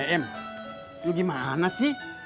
em lu gimana sih